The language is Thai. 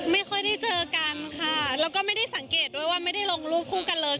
ไม่ค่อยได้เจอกันค่ะแล้วก็ไม่ได้สังเกตด้วยว่าไม่ได้ลงรูปคู่กันเลย